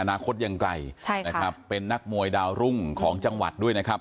อนาคตยังไกลใช่นะครับเป็นนักมวยดาวรุ่งของจังหวัดด้วยนะครับ